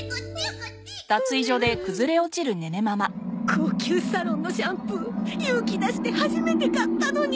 高級サロンのシャンプー勇気出して初めて買ったのに